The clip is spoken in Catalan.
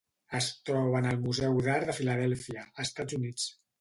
Es troba en el Museu d'Art de Filadèlfia, Estats Units.